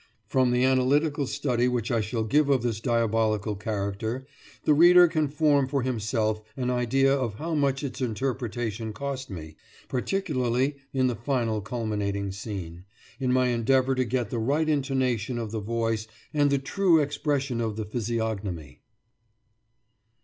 From the analytical study which I shall give of this diabolical character [at the close of her Memoirs] the reader can form for himself an idea of how much its interpretation cost me (particularly in the final culminating scene), in my endeavour to get the right intonation of the voice and the true expression of the physiognomy.